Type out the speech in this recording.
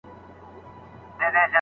کړي، چوپتیا به وي.